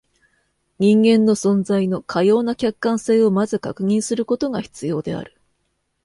人間の存在のかような客観性を先ず確認することが必要である。